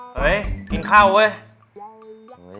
เฮ้ยกินข้าวเว้ย